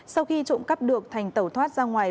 sau khi trộm cắp được thành tẩu thoát ra ngoài